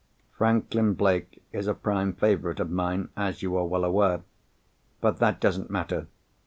Franklin Blake is a prime favourite of mine, as you are well aware. But that doesn't matter.